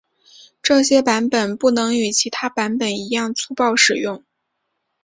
这些版本不能与其他版本一样粗暴使用。